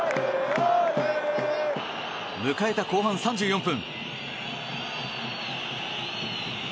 迎えた後半３４分。